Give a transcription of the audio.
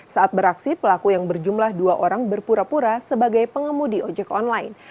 saat beraksi pelaku yang berjumlah dua orang berpura pura sebagai pengemudi ojek online